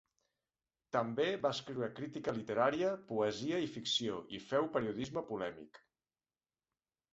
També va escriure crítica literària, poesia i ficció, i féu periodisme polèmic.